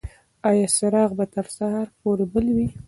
ایا څراغ به تر سهار پورې بل وي؟